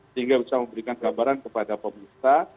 sehingga bisa memberikan gambaran kepada pemerintah